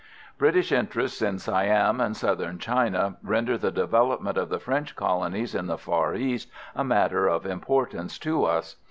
British interests in Siam and Southern China render the development of the French colonies in the Far East a matter of importance to us.